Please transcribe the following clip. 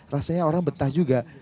rasanya orang betah juga